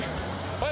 はい。